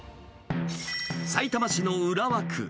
さいたま市の浦和区。